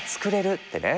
ってね。